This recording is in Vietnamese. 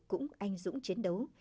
cũng anh dũng chiến đấu